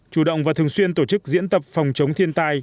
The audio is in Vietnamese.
chủ động và thường xuyên tổ chức diễn tập phòng chống thiên tai